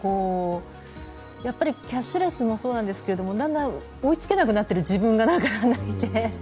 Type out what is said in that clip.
キャッシュレスもそうですけど、だんだん追いつけなくなっている自分がいて。